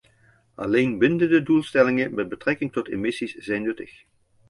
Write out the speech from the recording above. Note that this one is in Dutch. Alleen bindende doelstellingen met betrekking tot emissies zijn nuttig.